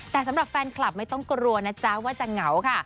แต่สำหรับแฟนคลับไม่ต้องกลัวนะจ๊ะว่าจะเหงาค่ะ